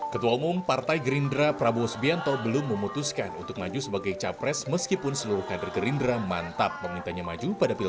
ketua umum partai gerindra prabowo subianto belum memutuskan untuk maju sebagai capres meskipun seluruh kader gerindra mantap memintanya maju pada pilpres dua ribu sembilan